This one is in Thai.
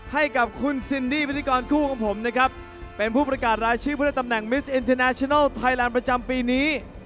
ให้กับคุณซินดี้พิธีกรคู่ของผมนะครับเป็นผู้ประกาศรายชื่อผู้ได้ตำแหน่งมิสอินเทอร์แชนัลไทยแลนด์ประจำปีนี้